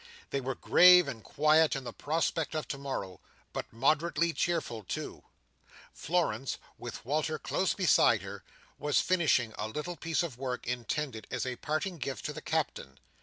They were grave and quiet in the prospect of to morrow, but moderately cheerful too. Florence, with Walter close beside her, was finishing a little piece of work intended as a parting gift to the Captain.